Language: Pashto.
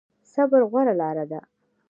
صبر غوره لاره ده